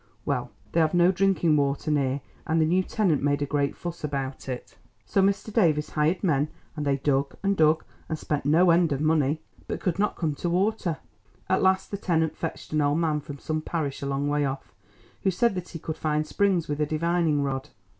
Well, they have no drinking water near, and the new tenant made a great fuss about it. So Mr. Davies hired men, and they dug and dug and spent no end of money, but could not come to water. At last the tenant fetched an old man from some parish a long way off, who said that he could find springs with a divining rod.